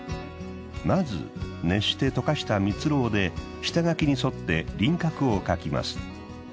まず熱して溶かしたミツロウで下書きに沿って輪郭を描きます。